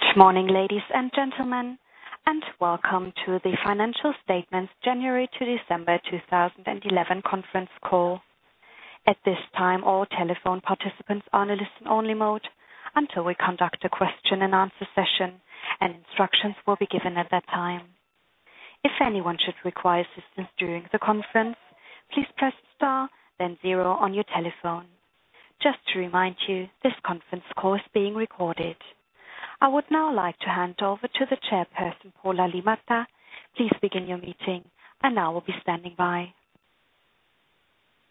Good morning, ladies and gentlemen, welcome to the financial statements January to December 2011 conference call. At this time, all telephone participants are in listen only mode until we conduct a question and answer session, and instructions will be given at that time. If anyone should require assistance during the conference, please press star then zero on your telephone. Just to remind you, this conference call is being recorded. I would now like to hand over to the Chairperson, Paula Liimatta. Please begin your meeting and I will be standing by.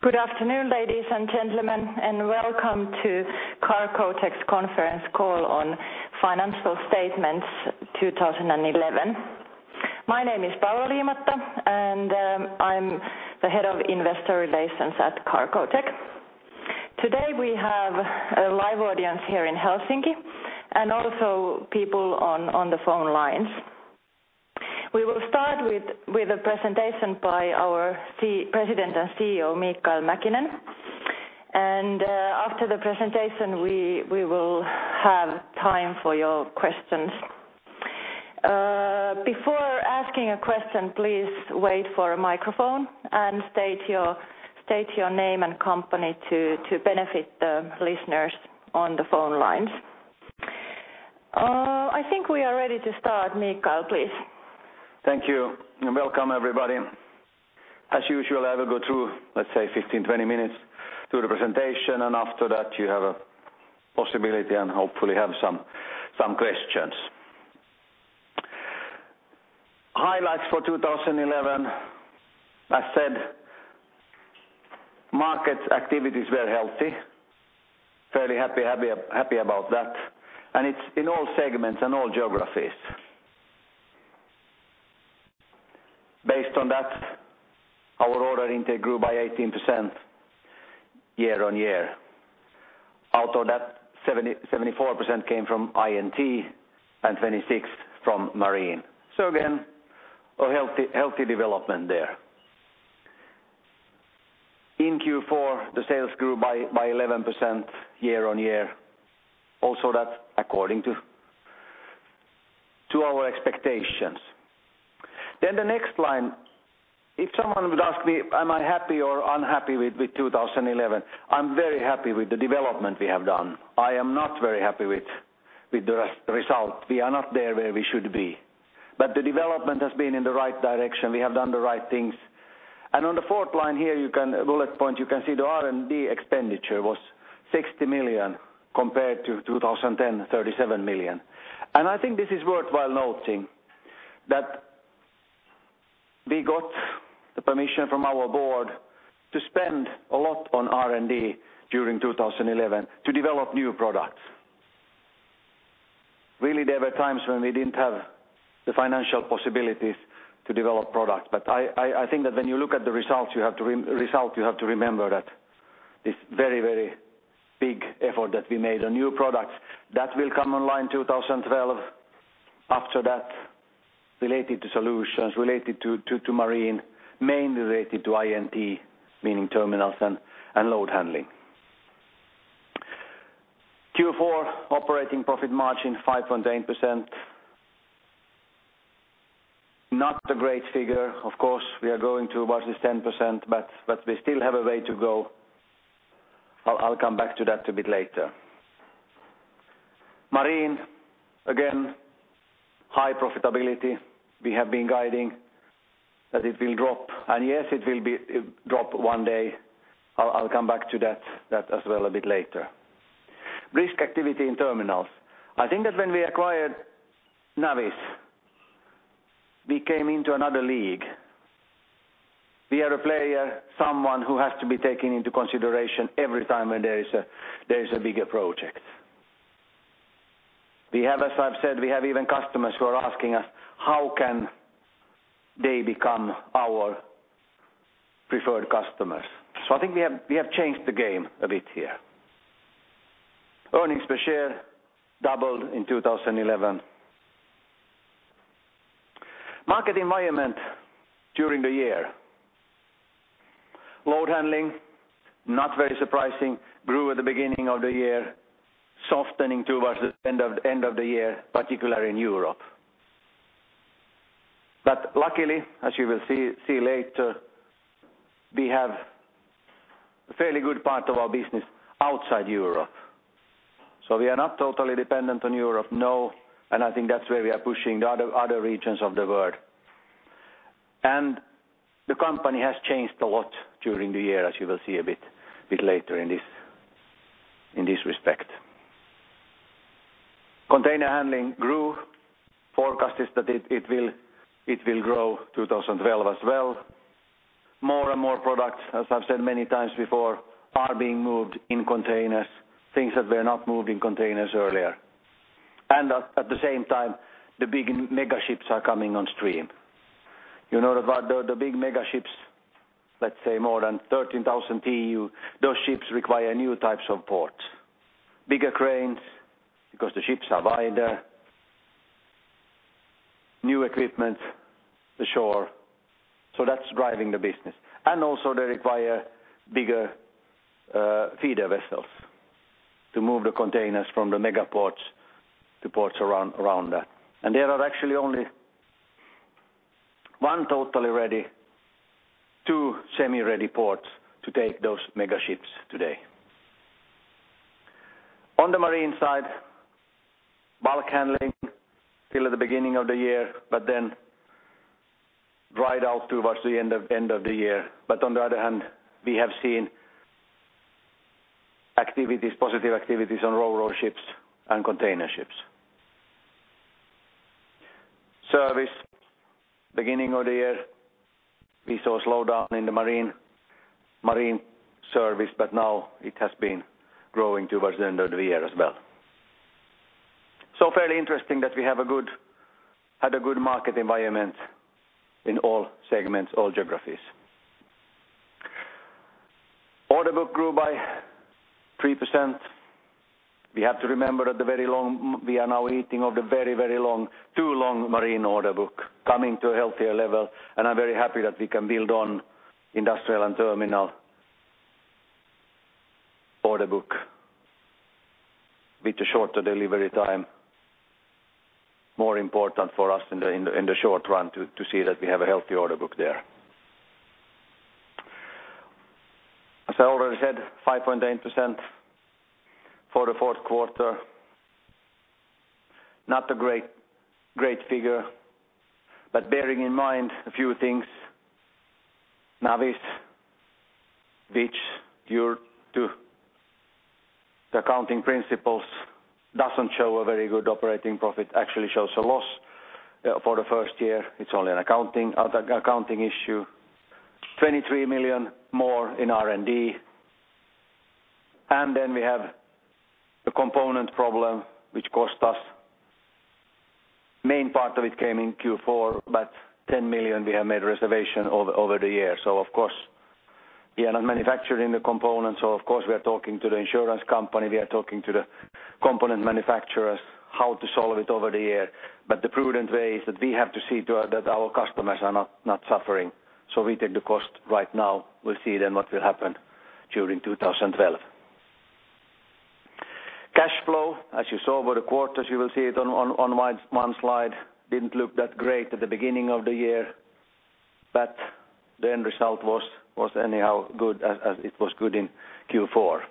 Good afternoon, ladies and gentlemen, and welcome to Cargotec's conference call on financial statements 2011. My name is Paula Liimatta, and I'm the Head of Investor Relations at Cargotec. Today, we have a live audience here in Helsinki and also people on the phone lines. We will start with a presentation by our President and CEO, Mikael Mäkinen. After the presentation, we will have time for your questions. Before asking a question, please wait for a microphone and state your name and company to benefit the listeners on the phone lines. I think we are ready to start. Mikael, please. Thank you. Welcome everybody. As usual, I will go through, let's say, 15, 20 minutes through the presentation, and after that you have a possibility and hopefully have some questions. Highlights for 2011. I said market activities were healthy. Very happy about that. It's in all segments and all geographies. Based on that, our order intake grew by 18% year-over-year. Out of that, 74% came from IMT and 26% from marine. Again, a healthy development there. In Q4, the sales grew by 11% year-over-year, also that's according to our expectations. The next line, if someone would ask me am I happy or unhappy with 2011, I'm very happy with the development we have done. I am not very happy with the result. We are not there where we should be. The development has been in the right direction. We have done the right things. On the fourth line here, bullet point, you can see the R&D expenditure was 60 million compared to 2010, 37 million. I think this is worthwhile noting that we got the permission from our board to spend a lot on R&D during 2011 to develop new products. Really, there were times when we didn't have the financial possibilities to develop products. I think that when you look at the results, you have to remember that this very, very big effort that we made on new products, that will come online 2012. After that, related to solutions, related to marine, mainly related to IMT, meaning terminals and load handling. Q4 operating profit margin 5.8%. Not a great figure. Of course, we are going towards this 10%, but we still have a way to go. I'll come back to that a bit later. Marine, again, high profitability. We have been guiding that it will drop. Yes, it will be drop one day. I'll come back to that as well a bit later. Risk activity in terminals. I think that when we acquired Navis, we came into another league. We are a player, someone who has to be taken into consideration every time when there is a bigger project. We have, as I've said, we have even customers who are asking us how can they become our preferred customers. I think we have changed the game a bit here. Earnings per share doubled in 2011. Market environment during the year. Load handling, not very surprising, grew at the beginning of the year, softening towards the end of the year, particularly in Europe. Luckily, as you will see later, we have a fairly good part of our business outside Europe. We are not totally dependent on Europe, no. I think that's where we are pushing the other regions of the world. The company has changed a lot during the year, as you will see a bit later in this respect. Container handling grew. Forecast is that it will grow 2012 as well. More and more products, as I've said many times before, are being moved in containers, things that were not moved in containers earlier. At the same time, the big mega ships are coming on stream. You know about the big mega ships, let's say more than 13,000 TEU. Those ships require new types of ports, bigger cranes because the ships are wider. New equipment ashore. That's driving the business. Also they require bigger feeder vessels to move the containers from the mega ports to ports around that. There are actually only one totally ready, two semi-ready ports to take those mega ships today. On the marine side, bulk handling till the beginning of the year, dried out towards the end of the year. On the other hand, we have seen activities, positive activities on ro-ro ships and container ships. Service, beginning of the year, we saw a slowdown in the marine service, but now it has been growing towards the end of the year as well. Fairly interesting that we have a good, had a good market environment in all segments, all geographies. Order book grew by 3%. We have to remember that we are now eating of the very long, too long marine order book coming to a healthier level. I'm very happy that we can build on industrial and terminal order book with a shorter delivery time. More important for us in the short run to see that we have a healthy order book there. As I already said, 5.8% for the fourth quarter. Not a great figure, but bearing in mind a few things. Navis, which due to the accounting principles doesn't show a very good operating profit, actually shows a loss for the first year. It's only an accounting issue. 23 million more in R&D. Then we have the component problem which cost us. Main part of it came in Q4, but 10 million we have made reservation over the years. Of course, we are not manufacturing the components. We are talking to the insurance company, we are talking to the component manufacturers how to solve it over the year. The prudent way is that we have to see to it that our customers are not suffering. We take the cost right now. We'll see then what will happen during 2012. Cash flow, as you saw over the quarters, you will see it on my slide, didn't look that great at the beginning of the year, but the end result was anyhow good as it was good in Q4.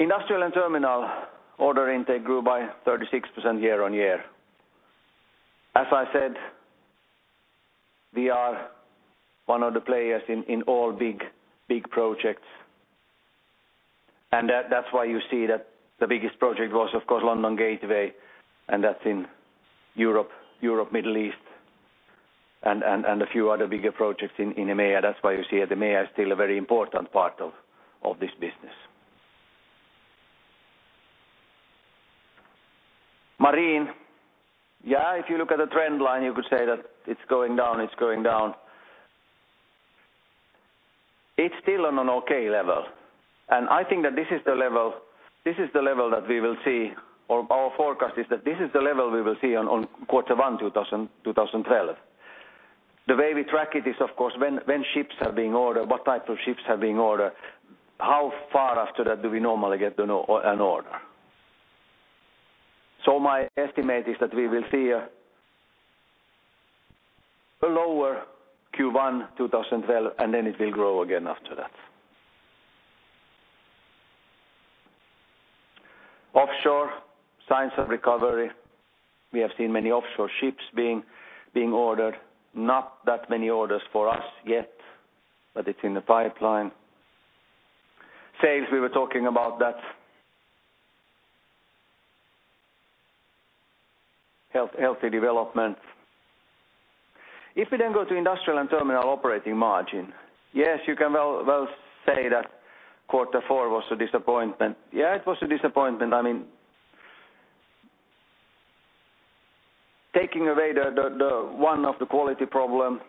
Industrial and Terminal order intake grew by 36% year-on-year. As I said, we are one of the players in all big projects. That's why you see that the biggest project was of course London Gateway, and that's in Europe, Middle East, and a few other bigger projects in EMEA. That's why you see that EMEA is still a very important part of this business. Marine. Yeah, if you look at the trend line, you could say that it's going down. It's still on an okay level. I think that this is the level that we will see or our forecast is that this is the level we will see on Q1 2012. The way we track it is of course when ships are being ordered, what type of ships are being ordered, how far after that do we normally get to know an order. My estimate is that we will see a lower Q1 2012, and then it will grow again after that. Offshore, signs of recovery. We have seen many offshore ships being ordered. Not that many orders for us yet, but it's in the pipeline. Sales, we were talking about that. Healthy development. If we then go to industrial and terminal operating margin. Yes, you can well say that Q4 was a disappointment. Yeah, it was a disappointment. I mean, taking away the one of the quality problem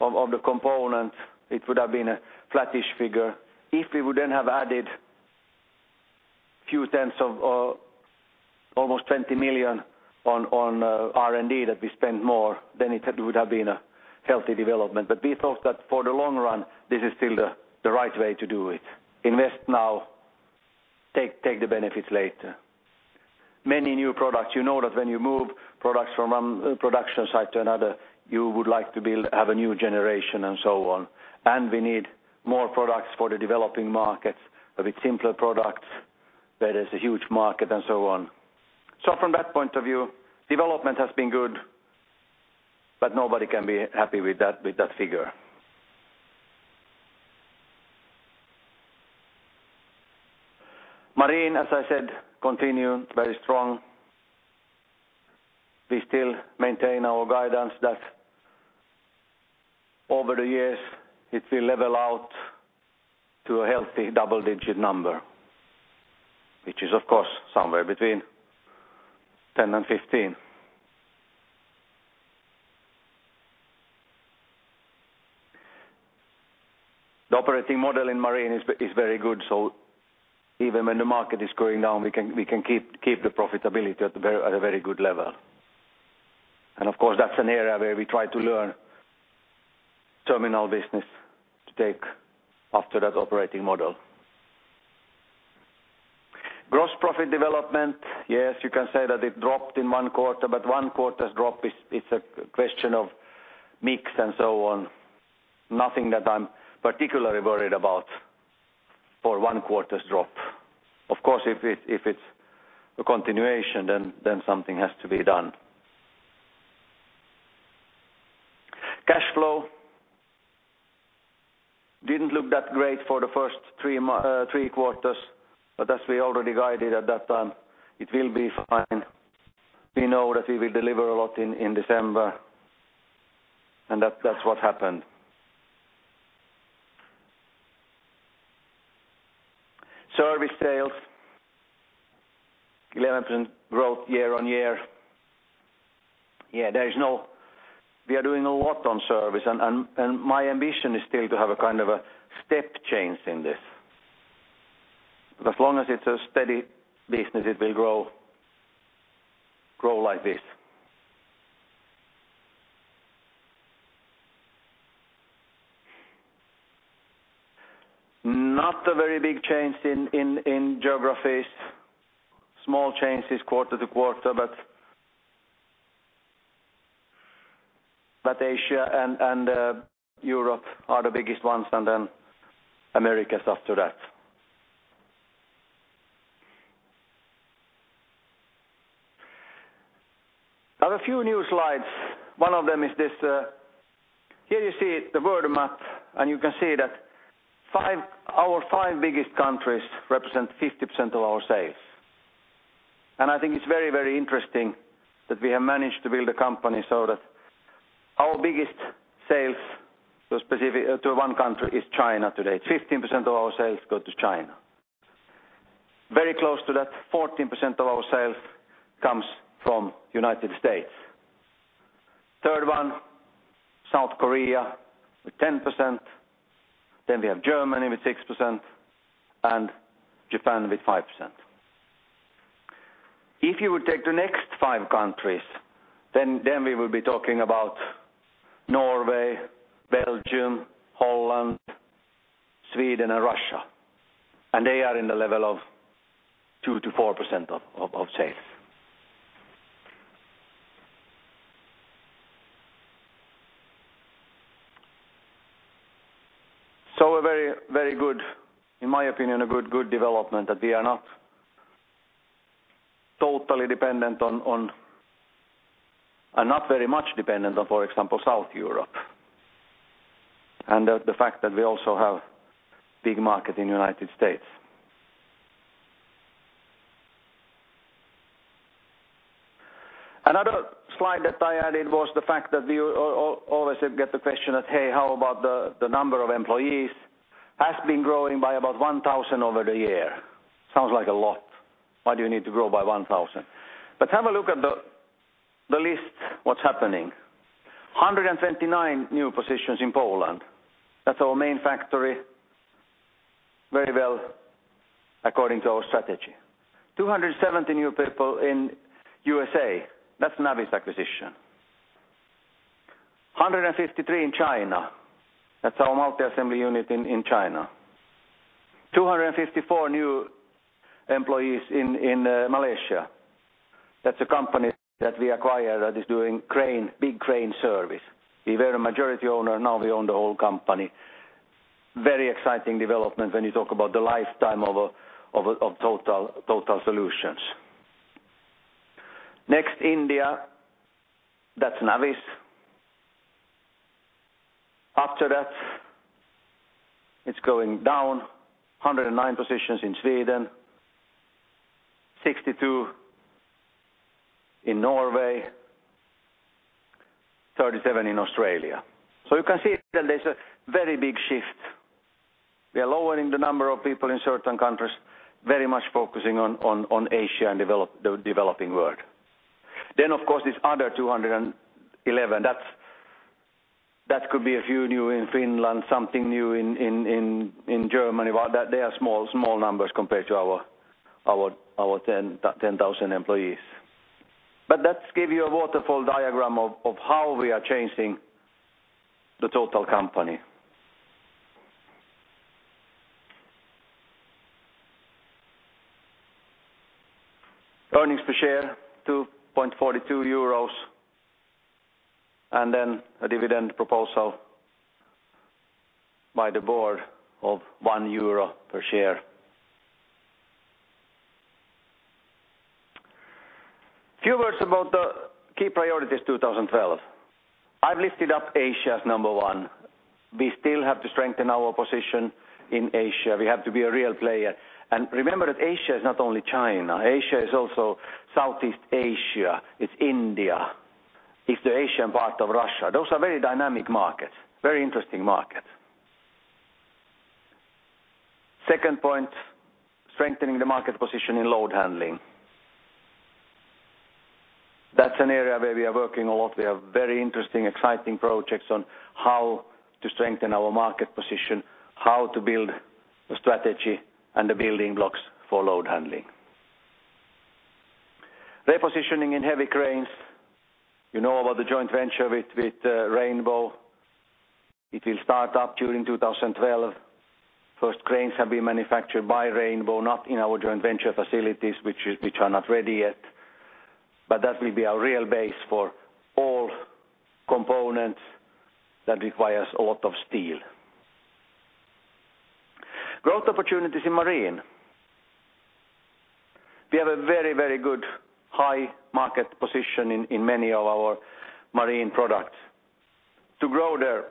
of the component, it would have been a flattish figure. If we would then have added a few tens of almost 20 million on R&D that we spent more, then it would have been a healthy development. We thought that for the long run, this is still the right way to do it. Invest now, take the benefits later. Many new products, you know that when you move products from production site to another, you would like to build, have a new generation and so on. We need more products for the developing markets. A bit simpler products. That is a huge market and so on. From that point of view, development has been good, nobody can be happy with that figure. Marine, as I said, continue very strong. We still maintain our guidance that over the years, it will level out to a healthy double-digit number, which is of course somewhere between 10 and 15. Operating model in Marine is very good, even when the market is going down, we can keep the profitability at a very good level. Of course, that's an area where we try to learn terminal business to take after that operating model. Gross profit development. You can say that it dropped in 1 quarter, 1 quarter's drop is, it's a question of mix and so on. Nothing that I'm particularly worried about for 1 quarter's drop. Of course, if it's a continuation, then something has to be done. Cash flow didn't look that great for the first three quarters, but as we already guided at that time, it will be fine. We know that we will deliver a lot in December and that's what happened. Service sales, 11% growth year-over-year. Yeah, we are doing a lot on service and my ambition is still to have a kind of a step change in this. As long as it's a steady business, it will grow like this. Not a very big change in geographies. Small changes quarter to quarter. Asia and Europe are the biggest ones, and then Americas after that. I have a few new slides. One of them is this, here you see the world map, you can see that our five biggest countries represent 50% of our sales. I think it's very, very interesting that we have managed to build a company so that our biggest sales to a specific, to one country is China today. 15% of our sales go to China. Very close to that, 14% of our sales comes from United States. Third one, South Korea with 10%, we have Germany with 6%, and Japan with 5%. If you would take the next five countries, we would be talking about Norway, Belgium, Holland, Sweden and Russia, they are in the level of 2%-4% of sales. A very, very good, in my opinion, a good development that we are not totally dependent on. Not very much dependent on, for example, South Europe, and the fact that we also have big market in United States. Another slide that I added was the fact that we always get the question that, "Hey, how about the number of employees?" Has been growing by about 1,000 over the year. Sounds like a lot. Why do you need to grow by 1,000? Have a look at the list, what's happening. 129 new positions in Poland. That's our main factory. Very well according to our strategy. 270 new people in USA. That's Navis acquisition. 153 in China. That's our multi-assembly unit in China. 254 new employees in Malaysia. That's a company that we acquired that is doing crane, big crane service. We were a majority owner, now we own the whole company. Very exciting development when you talk about the lifetime of a total solutions. Next, India, that's Navis. After that, it's going down. 109 positions in Sweden, 62 in Norway, 37 in Australia. You can see that there's a very big shift. We are lowering the number of people in certain countries, very much focusing on Asia and developing world. Of course this other 211, that's, that could be a few new in Finland, something new in Germany. Well, they are small numbers compared to our 10,000 employees. That give you a waterfall diagram of how we are changing the total company. Earnings per share, 2.42 euros. A dividend proposal by the board of 1 euro per share. Few words about the key priorities 2012. I've lifted up Asia as number one. We still have to strengthen our position in Asia. We have to be a real player. Remember that Asia is not only China. Asia is also Southeast Asia, it's India, it's the Asian part of Russia. Those are very dynamic markets, very interesting markets. Second point, strengthening the market position in load handling. That's an area where we are working a lot. We have very interesting, exciting projects on how to strengthen our market position, how to build a strategy and the building blocks for load handling. Repositioning in heavy cranes. You know about the joint venture with Rainbow. It will start up during 2012. First cranes have been manufactured by Rainbow, not in our joint venture facilities, which are not ready yet. That will be our real base for all components that requires a lot of steel. Growth opportunities in marine. We have a very good high market position in many of our marine products. To grow there,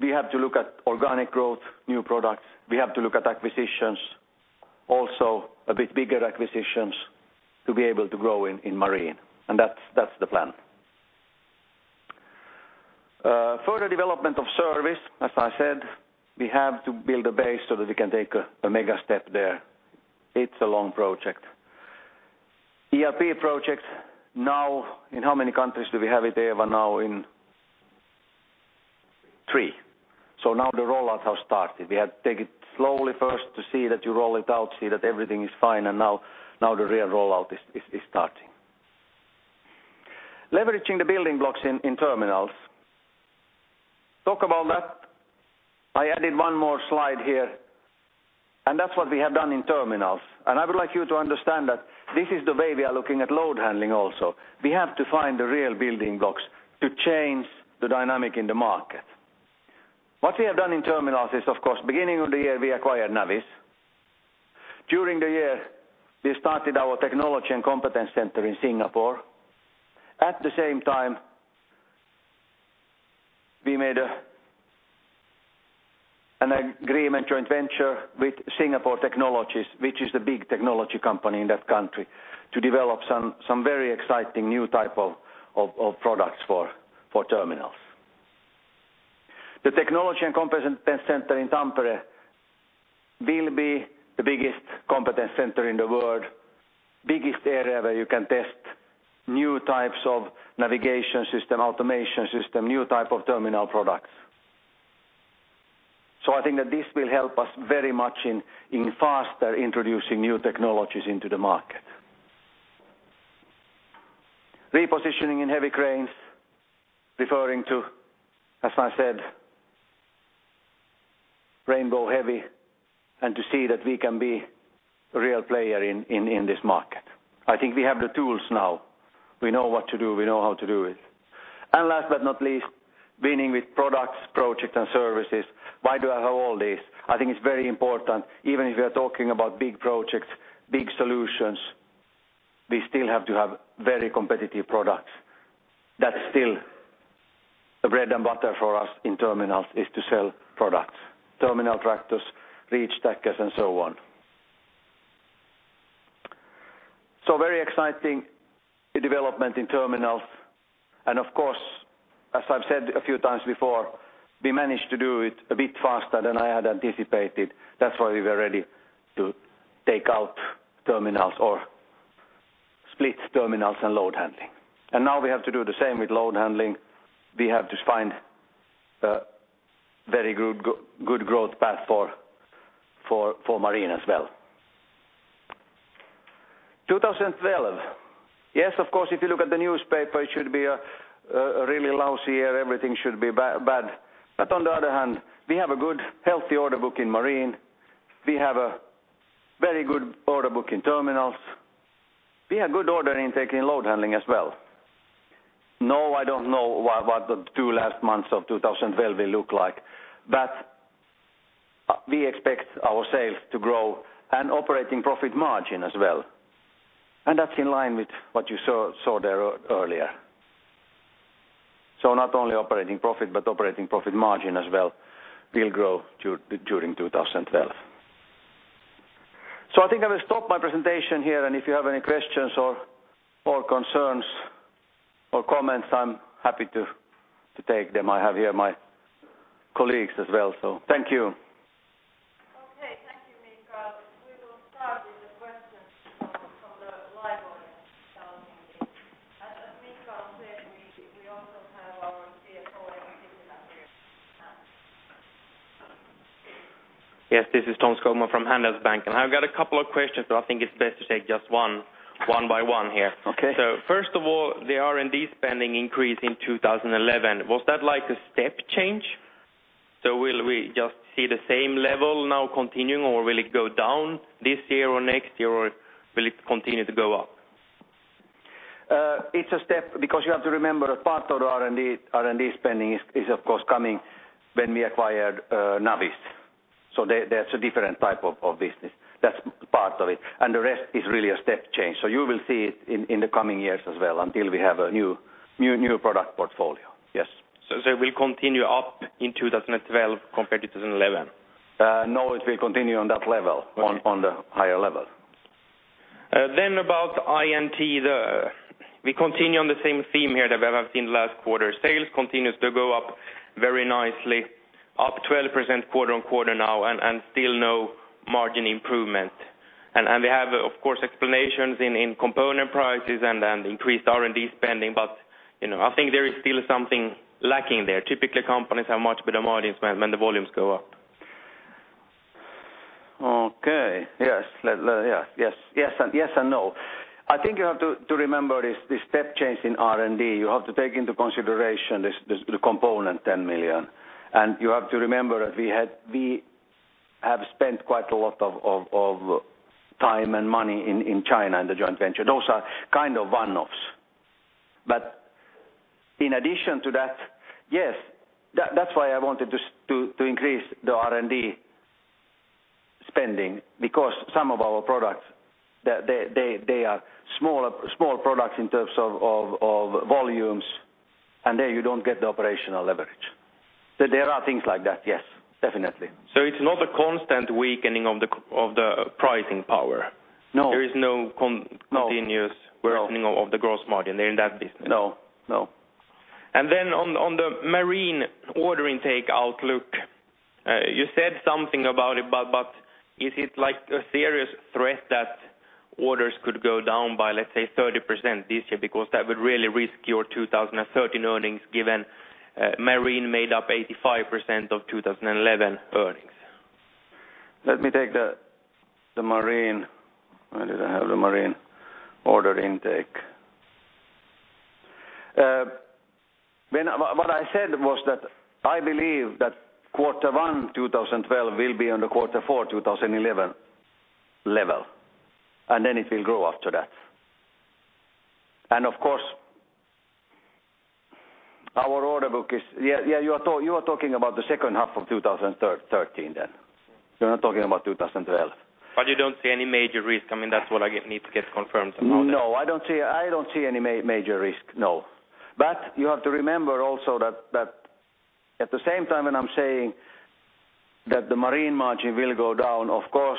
we have to look at organic growth, new products. We have to look at acquisitions, also a bit bigger acquisitions to be able to grow in marine. That's the plan. Further development of service, as I said, we have to build a base so that we can take a mega step there. It's a long project. ERP projects now in how many countries do we have it, Eeva, now? In three. Now the rollouts have started. We had take it slowly first to see that you roll it out, see that everything is fine, now the real rollout is starting. Leveraging the building blocks in terminals. Talk about that. I added one more slide here, and that's what we have done in terminals. I would like you to understand that this is the way we are looking at load handling also. We have to find the real building blocks to change the dynamic in the market. What we have done in terminals is of course, beginning of the year, we acquired Navis. During the year, we started our technology and competence center in Singapore. At the same time, we made an agreement joint venture with Singapore Technologies, which is the big technology company in that country, to develop some very exciting new type of products for terminals. The technology and competence center in Tampere will be the biggest competence center in the world, biggest area where you can test new types of navigation system, automation system, new type of terminal products. I think that this will help us very much in faster introducing new technologies into the market. Repositioning in heavy cranes, referring to, as I said, Rainbow Heavy and to see that we can be a real player in this market. I think we have the tools now. We know what to do. We know how to do it. Last but not least, winning with products, projects, and services. Why do I have all this? I think it's very important, even if we are talking about big projects, big solutions, we still have to have very competitive products. That's still the bread and butter for us in terminals is to sell products, terminal tractors, reach stackers, and so on. Very exciting, the development in terminals. Of course, as I've said a few times before, we managed to do it a bit faster than I had anticipated. That's why we were ready to take out terminals or split terminals and load handling. Now we have to do the same with load handling. We have to find a very good growth path for marine as well. 2012. Yes, of course, if you look at the newspaper, it should be a really lousy year. Everything should be bad. On the other hand, we have a good, healthy order book in marine. We have a very good order book in terminals. We have good order intake in load handling as well. No, I don't know what the 2 last months of 2012 will look like. We expect our sales to grow and operating profit margin as well. That's in line with what you saw earlier. Not only operating profit, but operating profit margin as well will grow during 2012. I think I will stop my presentation here. If you have any questions or concerns or comments, I'm happy to take them. I have here my colleagues as well. Thank you. Okay. Thank you, Mikael. We will start with the questions from the library. As Mikael said, we also have our CFO, Eeva Sipilä. This is Tom Skogman from Handelsbanken. I've got a couple of questions, so I think it's best to take just one by one here. Okay. First of all, the R&D spending increase in 2011, was that like a step change? Will we just see the same level now continuing, or will it go down this year or next year, or will it continue to go up? It's a step because you have to remember a part of the R&D spending is of course coming when we acquired Navis. That's a different type of business. That's part of it, and the rest is really a step change. You will see it in the coming years as well until we have a new product portfolio. Yes. It will continue up in 2012 compared to 2011? No, it will continue on that level. Okay. On the higher level. About IMT, we continue on the same theme here that we have seen last quarter. Sales continues to go up very nicely. Up 12% quarter-on-quarter now and still no margin improvement. They have, of course, explanations in component prices and increased R&D spending. You know, I think there is still something lacking there. Typically, companies have much better margins when the volumes go up. Okay. Yes. Let, yeah. Yes. Yes and no. I think you have to remember this step change in R&D. You have to take into consideration this the component 10 million. You have to remember that we have spent quite a lot of time and money in China in the joint venture. Those are kind of one-offs. In addition to that, yes, that's why I wanted to increase the R&D spending because some of our products, they are smaller, small products in terms of volumes, and there you don't get the operational leverage. There are things like that, yes, definitely. It's not a constant weakening of the pricing power? No. There is no con continuous weakening of the gross margin there in that business? No, no. On the marine order intake outlook, you said something about it, but is it like a serious threat that orders could go down by, let's say, 30% this year? That would really risk your 2013 earnings, given, marine made up 85% of 2011 earnings. Let me take the marine. Where did I have the marine order intake? What I said was that I believe that Q1 2012 will be on the Q4 2011 level, and then it will grow after that. Of course, our order book is... Yeah, yeah, you are talking about the second half of 2013 then. You're not talking about 2012. You don't see any major risk. I mean, that's what I get, need to get confirmed on that. No, I don't see any major risk, no. You have to remember also that at the same time, when I'm saying that the marine margin will go down, of course,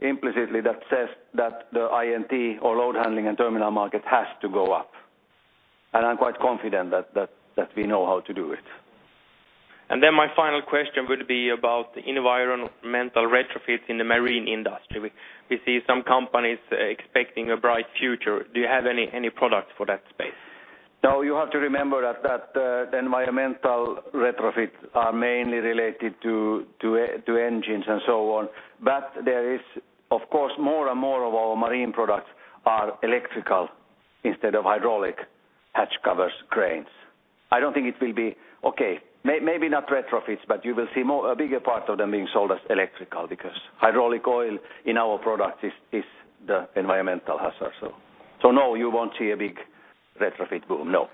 implicitly, that says that the IMT or load handling and terminal market has to go up. I'm quite confident that we know how to do it. My final question would be about the environmental retrofits in the marine industry. We see some companies expecting a bright future. Do you have any products for that space? No. You have to remember that, the environmental retrofits are mainly related to engines and so on. There is, of course, more and more of our marine products are electrical instead of hydraulic hatch covers, cranes. I don't think it will be. Okay, maybe not retrofits, but you will see more, a bigger part of them being sold as electrical because hydraulic oil in our product is the environmental hazard. No, you won't see a big retrofit boom. No.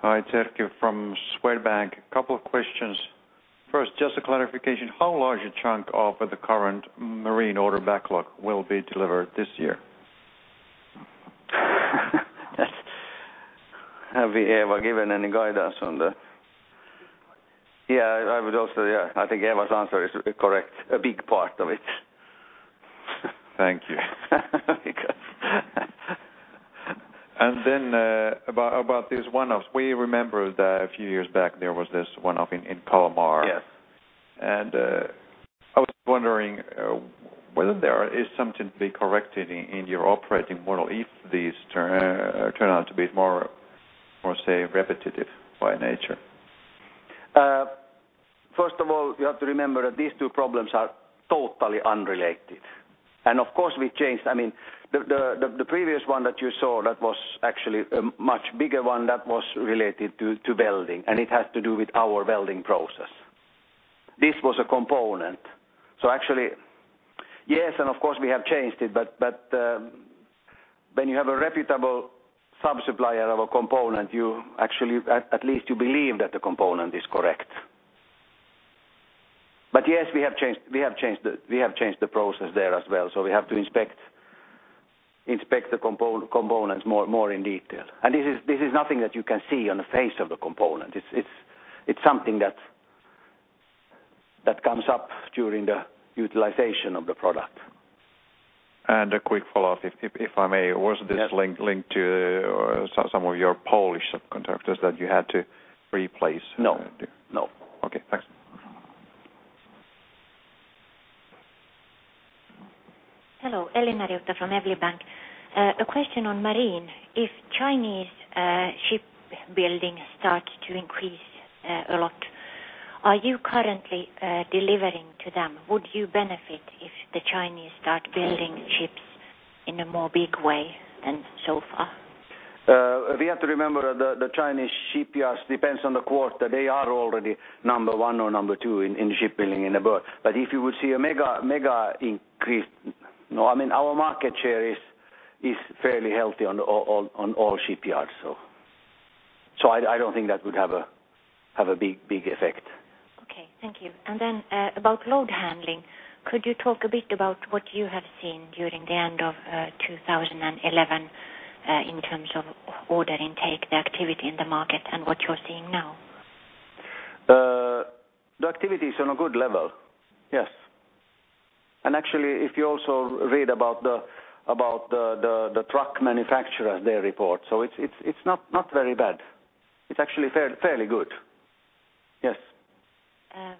Hi, Erkki Vesola from Swedbank. A couple of questions. First, just a clarification. How large a chunk of the current marine order backlog will be delivered this year? Have we, Eeva, given any guidance on that? A big part of it. Yeah. I would also... Yeah. I think Eeva's answer is correct. A big part of it. Thank you. About these one-offs. We remember that a few years back, there was this one-off in Kalmar. Yes. I was wondering, whether there is something to be corrected in your operating model if these turn out to be more, say, repetitive by nature. First of all, you have to remember that these two problems are totally unrelated. Of course we changed. I mean, the previous one that you saw that was actually a much bigger one that was related to welding, and it has to do with our welding process. This was a component. Actually, yes, and of course, we have changed it, but when you have a reputable sub-supplier of a component, you actually, at least you believe that the component is correct. Yes, we have changed the process there as well. We have to inspect the components more in detail. This is nothing that you can see on the face of the component. It's something that comes up during the utilization of the product. A quick follow-up, if I may. Yes. Was this linked to some of your Polish subcontractors that you had to replace? No. No. Okay, thanks. Hello. Elina Råman from Evli Bank. A question on marine. If Chinese shipbuilding start to increase a lot, are you currently delivering to them? Would you benefit if the Chinese start building ships in a more big way than so far? We have to remember the Chinese shipyards depends on the quarter. They are already number one or number two in shipbuilding in the world. If you would see a mega increase, no. I mean, our market share is fairly healthy on all shipyards, so. I don't think that would have a big effect. Okay. Thank you. About load handling, could you talk a bit about what you have seen during the end of 2011, in terms of order intake, the activity in the market and what you're seeing now? The activity is on a good level. Yes. Actually, if you also read about the truck manufacturer, their report. It's not very bad. It's actually fairly good. Yes.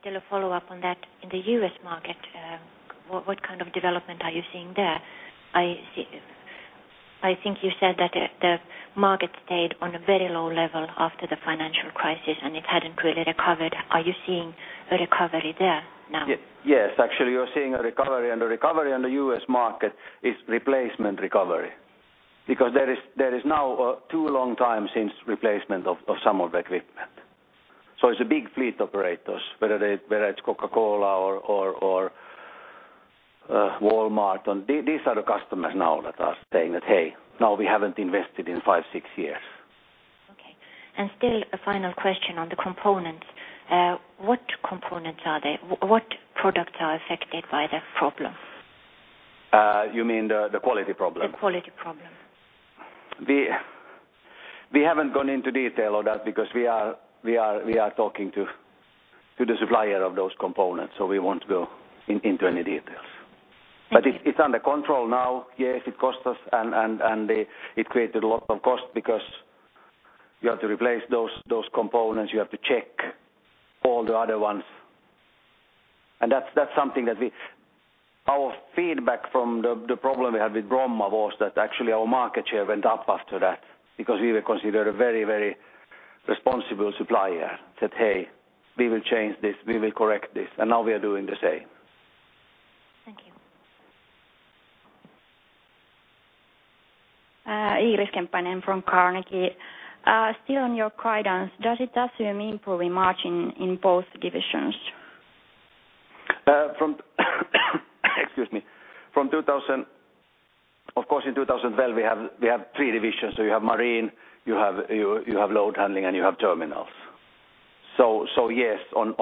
Still a follow-up on that. In the U.S. market, what kind of development are you seeing there? I think you said that the market stayed on a very low level after the financial crisis, and it hadn't really recovered. Are you seeing a recovery there now? yes. Actually, you're seeing a recovery, and the recovery on the U.S. market is replacement recovery. There is now too long time since replacement of some of the equipment. It's the big fleet operators, whether it's Coca-Cola or Walmart. These are the customers now that are saying that, "Hey, now we haven't invested in five, six years. Okay. Still a final question on the components. What components are they? What products are affected by the problem? You mean the quality problem? The quality problem. We haven't gone into detail on that because we are talking to the supplier of those components, so we won't go into any details. Okay. It's under control now. Yes, it costs us and it created a lot of cost because you have to replace those components. You have to check all the other ones. That's something that. Our feedback from the problem we had with Bromma was that actually our market share went up after that because we were considered a very, very responsible supplier. Said, "Hey, we will change this. We will correct this." Now we are doing the same. Thank you. Iiris Kemppainen from Carnegie. Still on your guidance, does it assume improving margin in both divisions? From excuse me. Of course, in 2012, we have 3 divisions. You have Marine, you have Load Handling, and you have Terminals. Yes, on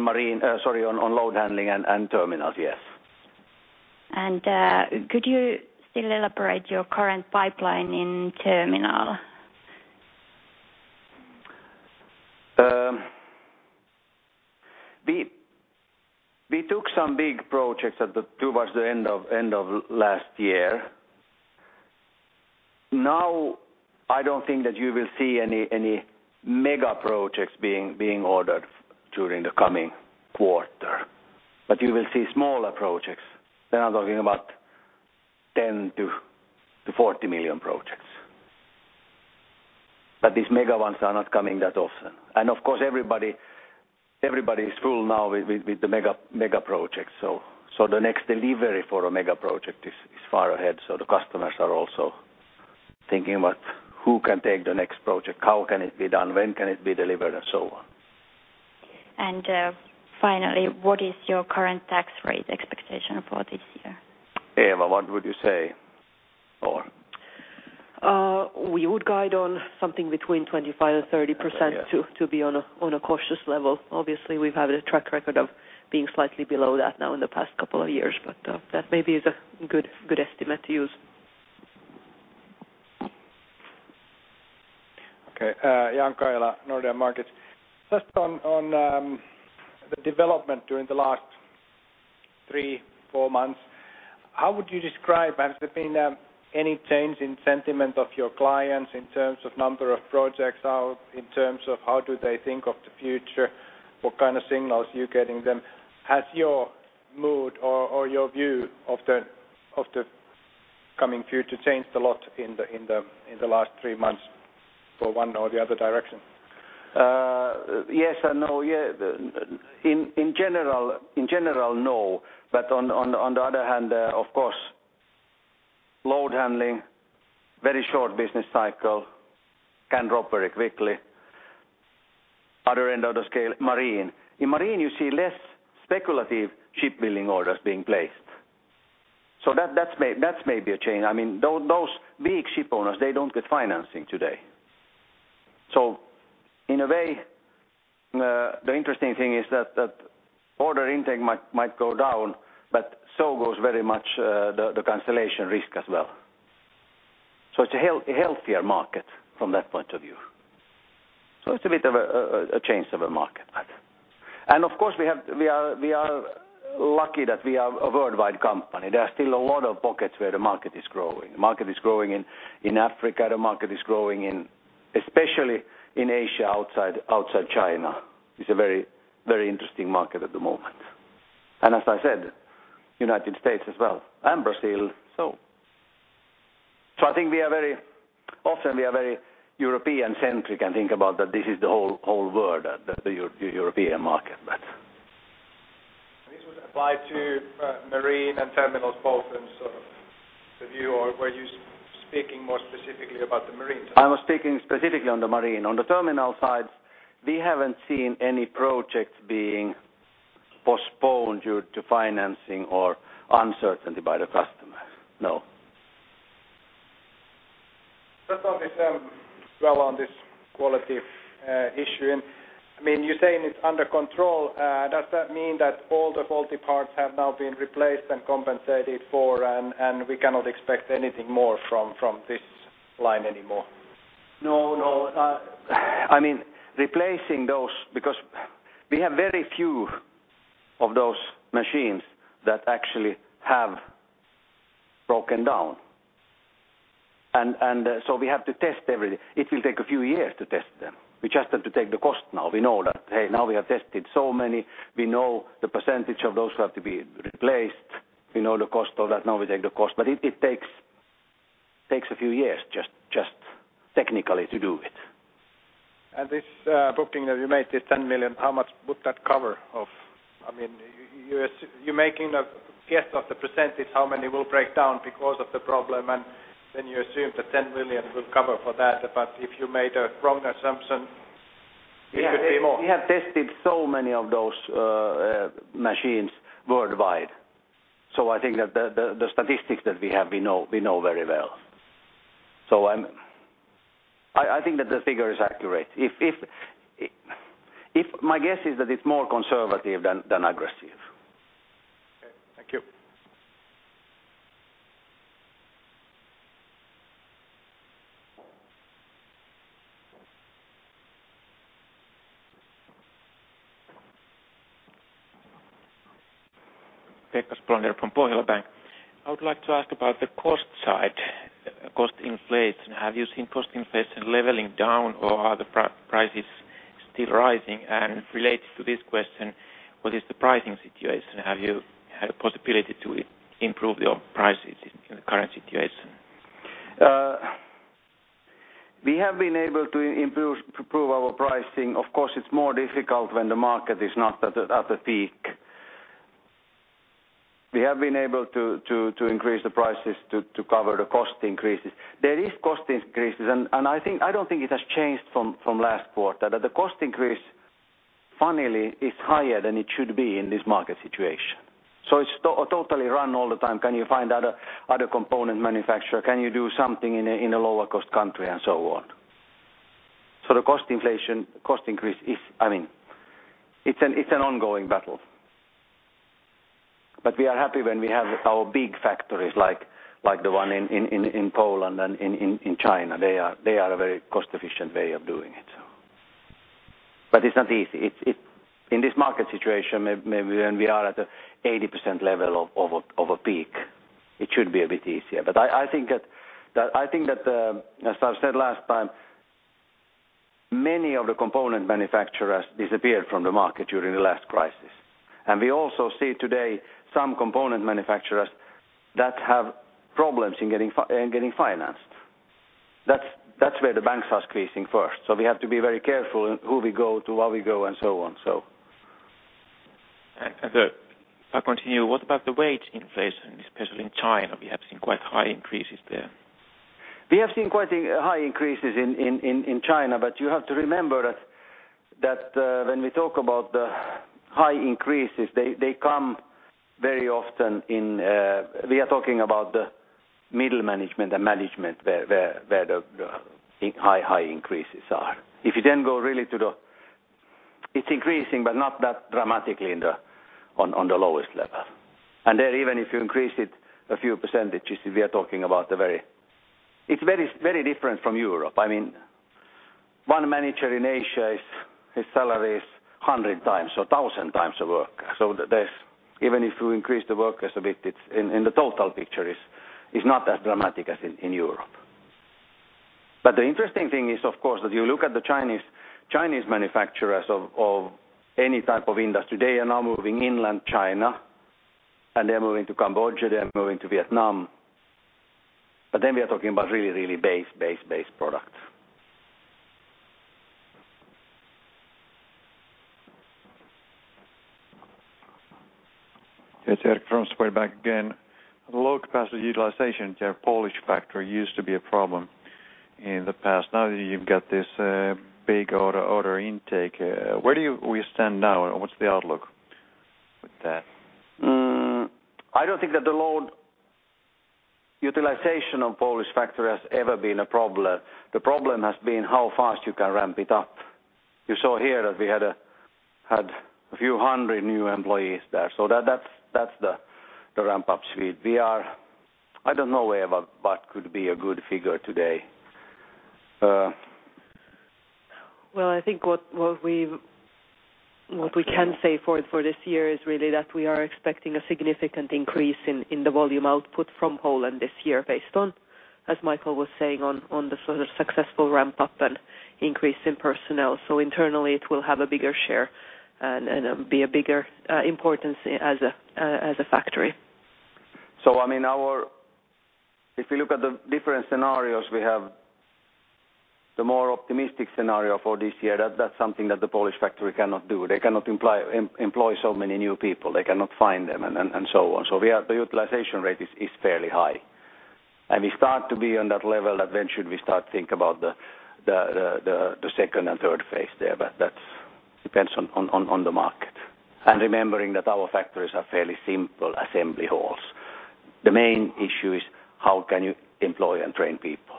Marine. Sorry, on Load Handling and Terminals, yes. Could you still elaborate your current pipeline in Terminal? We took some big projects towards the end of last year. I don't think that you will see any mega projects being ordered during the coming quarter. You will see smaller projects. I'm talking about 10 million-40 million projects. These mega ones are not coming that often. Of course, everybody is full now with the mega projects. The next delivery for a mega project is far ahead. The customers are also thinking about who can take the next project, how can it be done, when can it be delivered, and so on. Finally, what is your current tax rate expectation for this year? Eeva, what would you say? We would guide on something between 25% and 30%. Yeah. to be on a cautious level. Obviously, we've had a track record of being slightly below that now in the past couple of years. That maybe is a good estimate to use. Okay. Jan Kaila, Nordea Markets. Just on the development during the last 3, 4 months, how would you describe, has there been any change in sentiment of your clients in terms of number of projects out, in terms of how do they think of the future? What kind of signals are you getting them? Has your mood or your view of the coming future changed a lot in the last 3 months for one or the other direction? Yes and no. In general, no. On the other hand, of course, Load Handling, very short business cycle, can drop very quickly. Other end of the scale, Marine. In Marine, you see less speculative ship building orders being placed. That's maybe a change. I mean, those big ship owners, they don't get financing today. In a way, the interesting thing is that order intake might go down, but so goes very much the cancellation risk as well. It's a healthier market from that point of view. It's a bit of a change of a market, I think. Of course, we are lucky that we are a worldwide company. There are still a lot of pockets where the market is growing. The market is growing in Africa. The market is growing in, especially in Asia, outside China. It's a very interesting market at the moment. As I said, United States as well, and Brazil. I think we are very Often we are very European-centric and think about that this is the whole world, the European market, but. This would apply to Marine and Terminals both in sort of the view, or were you speaking more specifically about the Marine side? I was speaking specifically on the Marine. On the Terminal sides, we haven't seen any projects being postponed due to financing or uncertainty by the customers. No. Just on this, Mikael, on this quality issue. I mean, you're saying it's under control. Does that mean that all the faulty parts have now been replaced and compensated for and we cannot expect anything more from this line anymore? No, no. I mean, replacing those because we have very few of those machines that actually have broken down and so we have to test it will take a few years to test them. We just have to take the cost now. We know that, hey, now we have tested so many, we know the percentage of those who have to be replaced, we know the cost of that. Now we take the cost, it takes a few years just technically to do it. This booking that you made, this 10 million, how much would that cover of. I mean, you're making a guess of the percentage, how many will break down because of the problem, and then you assume the 10 million will cover for that. If you made a wrong assumption, it could be more. We have tested so many of those machines worldwide. I think that the statistics that we have, we know very well. I think that the figure is accurate. If my guess is that it's more conservative than aggressive. Okay. Thank you. Pekka Spolander from Pohjola Bank. I would like to ask about the cost side, cost inflation. Have you seen cost inflation leveling down or are the prices still rising? Related to this question, what is the pricing situation? Have you had a possibility to improve your prices in the current situation? We have been able to improve our pricing. Of course, it's more difficult when the market is not at a peak. We have been able to increase the prices to cover the cost increases. There is cost increases and I think I don't think it has changed from last quarter, that the cost increase funnily is higher than it should be in this market situation. It's totally run all the time. Can you find other component manufacturer? Can you do something in a lower cost country and so on. The cost inflation, cost increase is, I mean, it's an ongoing battle. We are happy when we have our big factories like the one in Poland and in China. They are a very cost-efficient way of doing it. It's not easy. It's in this market situation, maybe when we are at a 80% level of a peak, it should be a bit easier. I think that I think that the, as I've said last time, many of the component manufacturers disappeared from the market during the last crisis. We also see today some component manufacturers that have problems in getting financed. That's where the banks are squeezing first. We have to be very careful in who we go to, how we go, and so on. I'll continue. What about the wage inflation, especially in China? We have seen quite high increases there. We have seen quite high increases in China. You have to remember that when we talk about the high increases, they come very often in, we are talking about the middle management and management where the high increases are. If you then go. It's increasing, but not that dramatically in the lowest level. There, even if you increase it a few percentages, we are talking about. It's very, very different from Europe. I mean, one manager in Asia, his salary is 100 times or 1,000 times the worker. There's, even if you increase the workers a bit, it's in the total picture is not as dramatic as in Europe. The interesting thing is, of course, that you look at the Chinese manufacturers of any type of industry, they are now moving inland China, and they are moving to Cambodia, they are moving to Vietnam. Then we are talking about really base product. It's Erik from Swedbank again. Low capacity utilization at your Polish factory used to be a problem in the past. Now that you've got this, big order intake, where do we stand now and what's the outlook with that? I don't think that the load utilization of Polish factory has ever been a problem. The problem has been how fast you can ramp it up. You saw here that we had a few hundred new employees there. That's the ramp-up speed. I don't know Eeva what could be a good figure today. I think what we can say for this year is really that we are expecting a significant increase in the volume output from Poland this year based on, as Mikael was saying, on the sort of successful ramp-up and increase in personnel. Internally, it will have a bigger share and be a bigger importance as a factory. I mean, If you look at the different scenarios, we have the more optimistic scenario for this year, that's something that the Polish factory cannot do. They cannot employ so many new people. They cannot find them and so on. The utilization rate is fairly high. We start to be on that level that eventually we start to think about the second and third phase III. That depends on the market. Remembering that our factories are fairly simple assembly halls. The main issue is how can you employ and train people.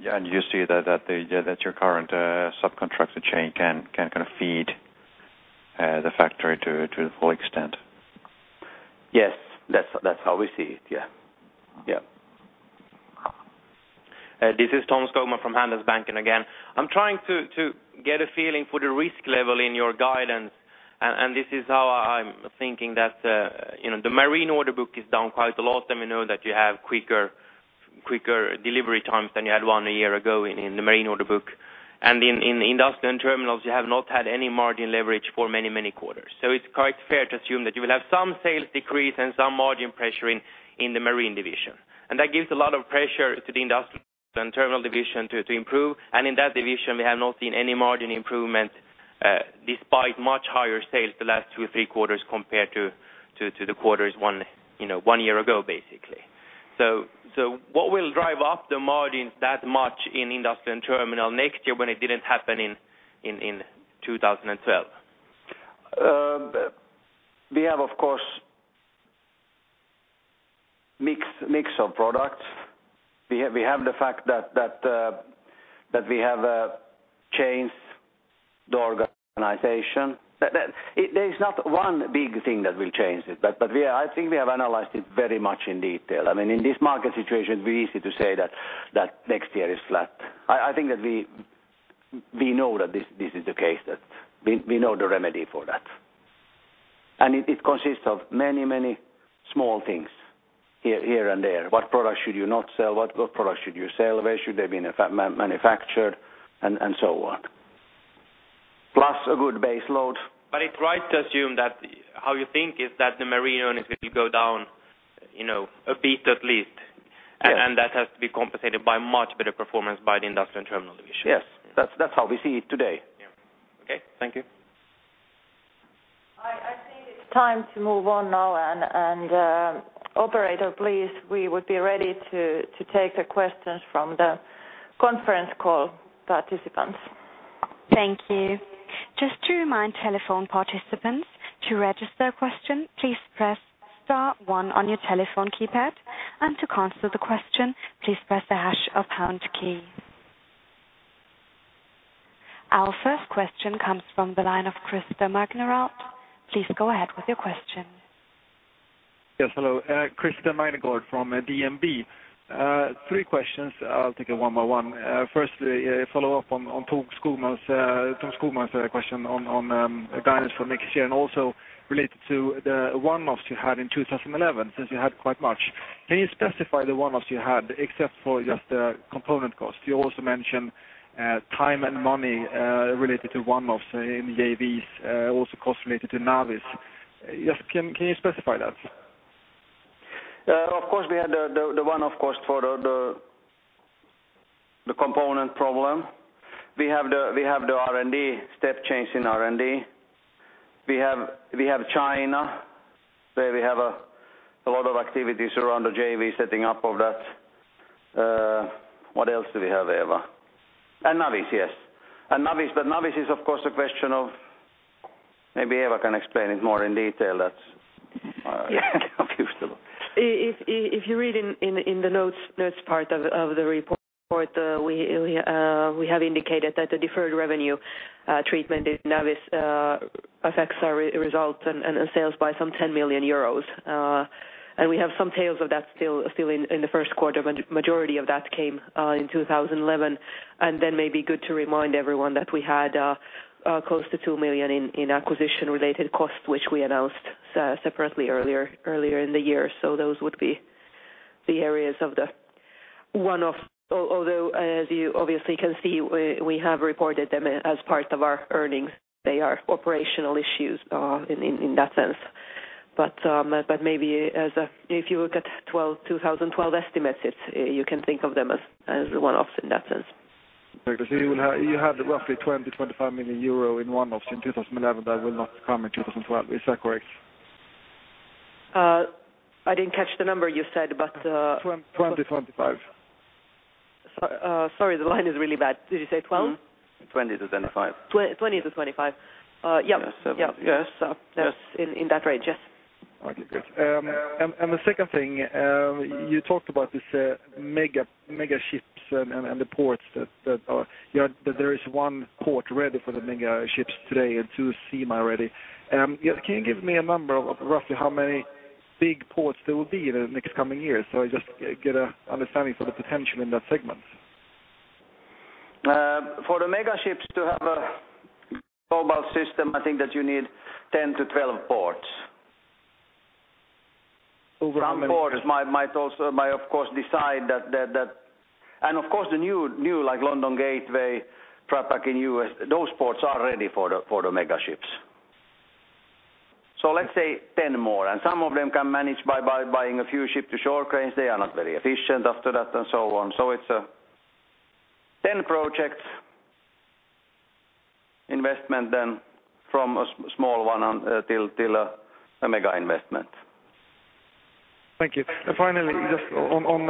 Yeah, you see that your current subcontractor chain can kind of feed the factory to the full extent? Yes. That's how we see it. Yeah. Yeah. This is Tom Skogman from Handelsbanken again. I'm trying to get a feeling for the risk level in your guidance. This is how I'm thinking that, you know, the marine order book is down quite a lot. We know that you have quicker delivery times than you had 1 year ago in the marine order book. In the Industrial and Terminal, you have not had any margin leverage for many quarters. It's quite fair to assume that you will have some sales decrease and some margin pressuring in the marine division. That gives a lot of pressure to the Industrial and Terminal division to improve. In that division, we have not seen any margin improvement, despite much higher sales the last 2 or 3 quarters compared to the quarters one, you know, one year ago, basically. What will drive up the margins that much in Industrial and Terminal next year when it didn't happen in 2012? We have of course, mix of products. We have the fact that we have changed the organization. There's not one big thing that will change it. We are. I think we have analyzed it very much in detail. I mean, in this market situation, it's very easy to say that next year is flat. I think that we know that this is the case, that we know the remedy for that. It consists of many small things here and there. What products should you not sell? What products should you sell? Where should they be manufactured and so on. Plus a good base load. It's right to assume that how you think is that the marine earnings will go down, you know, a bit at least. Yes. That has to be compensated by much better performance by the Industrial and Terminal Division. Yes. That's how we see it today. Yeah. Okay. Thank you. I think it's time to move on now. operator, please, we would be ready to take the questions from the conference call participants. Thank you. Just to remind telephone participants. To register a question, please press star one on your telephone keypad. To cancel the question, please press the hash or pound key. Our first question comes from the line of Christopher Magnerat. Please go ahead with your question. Yes, hello. Christopher Magnerat from DNB. Three questions. I'll take it one by one. First, a follow-up on Tom Skogman's question on guidance for next year and also related to the one-offs you had in 2011, since you had quite much. Can you specify the one-offs you had except for just the component cost? You also mentioned time and money related to one-offs in the JVs, also costs related to Navis. Can you specify that? Of course, we had the one-off cost for the component problem. We have the R&D, step change in R&D. We have China, where we have a lot of activities around the JV setting up of that. What else do we have, Eeva? Navis, yes. Navis, but Navis is of course a question of... Maybe Eeva can explain it more in detail. That's confusing. If you read in the notes part of the report, we have indicated that the deferred revenue treatment in Navis affects our results and sales by some 10 million euros. We have some tails of that still in the first quarter, when majority of that came in 2011. Then maybe good to remind everyone that we had close to 2 million in acquisition-related costs, which we announced separately earlier in the year. Those would be the areas of the one-off. Although as you obviously can see, we have reported them as part of our earnings. They are operational issues in that sense. If you look at 12, 2012 estimates, it's, you can think of them as one-offs in that sense. You have roughly 20-25 million euro in one-offs in 2011 that will not come in 2012. Is that correct? I didn't catch the number you said, but. 20, 25. Sorry, the line is really bad. Did you say 12? 20-25. 20-25? Yeah. Yes. Yeah. Yes. That's in that range, yes. Okay, good. The second thing you talked about is mega ships and the ports that are. You know, that there is 1 port ready for the mega ships today and 2 seem ready. Yeah, can you give me a number of roughly how many big ports there will be in the next coming years? I just get a understanding for the potential in that segment. For the mega ships to have a global system, I think that you need 10-12 ports. Some ports might also, might of course decide that... Of course the new, like London Gateway, TraPac in U.S., those ports are ready for the mega ships. Let's say 10 more. Some of them can manage by buying a few ship-to-shore cranes. They are not very efficient after that and so on. It's 10 projects. Investment then from a small one, till a mega investment. Thank you. Finally, just on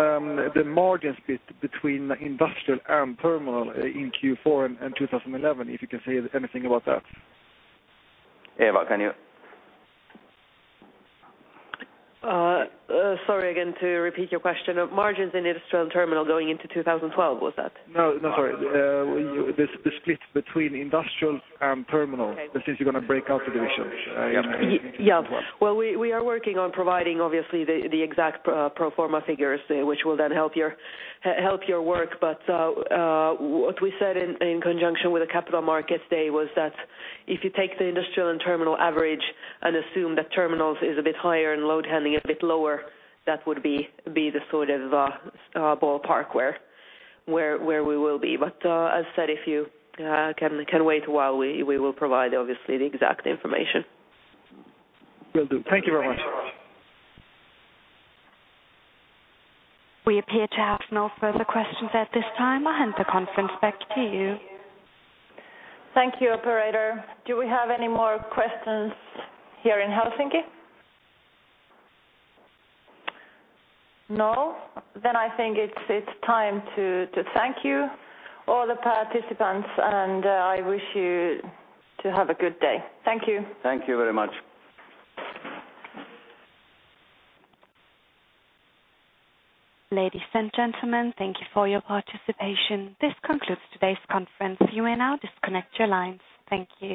the margins bit between Industrial and Terminal in Q4 and 2011, if you can say anything about that? Eeva, can you? Sorry again to repeat your question. Margins in Industrial and Terminal going into 2012, was that? No, no, sorry. The split between Industrial and Terminal. Okay. Since you're gonna break out the divisions. Yeah. Well, we are working on providing obviously the exact pro forma figures, which will then help your help your work. What we said in conjunction with the capital markets day was that if you take the Industrial and Terminal average and assume that terminals is a bit higher and load handling a bit lower, that would be the sort of ballpark where we will be. As said, if you can wait a while, we will provide obviously the exact information. Will do. Thank you very much. We appear to have no further questions at this time. I hand the conference back to you. Thank you, operator. Do we have any more questions here in Helsinki? No? I think it's time to thank you all the participants, and I wish you to have a good day. Thank you. Thank you very much. Ladies and gentlemen, thank you for your participation. This concludes today's conference. You may now disconnect your lines. Thank you.